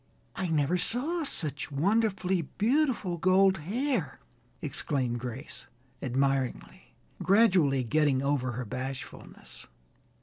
"I never saw such wonderfully beautiful gold hair," exclaimed Grace, admiringly, gradually getting over her bashfulness.